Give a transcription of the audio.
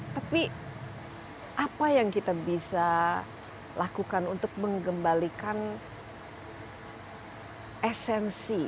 tapi apa yang kita bisa lakukan untuk mengembalikan esensi